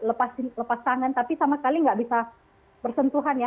bercerita sedikit lepas tangan tapi sama sekali tidak bisa bersentuhan ya